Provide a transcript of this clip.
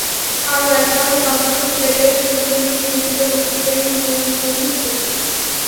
আরও একবার হয়তো আন্তর্জাতিক ক্যারিয়ারের শূন্যতা নিয়েই বিদায় নিতে হবে ইব্রাহিমোভিচকে।